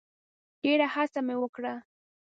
ډېره هڅه مي وکړه .